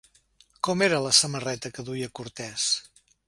Com era la samarreta que duia Cortès?